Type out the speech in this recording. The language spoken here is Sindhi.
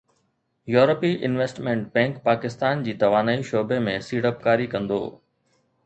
يورپي انويسٽمينٽ بئنڪ پاڪستان جي توانائي شعبي ۾ سيڙپڪاري ڪندو